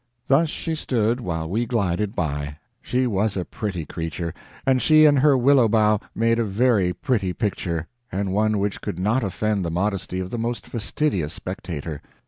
Thus she stood while we glided by. She was a pretty creature, and she and her willow bough made a very pretty picture, and one which could not offend the modesty of the most fastidious spectator.